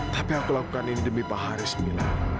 tapi aku lakukan ini demi pak haris mila